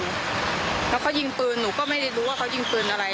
แล้วเขายิงปืนหนูก็ไม่ได้รู้ว่าเขายิงปืนอะไร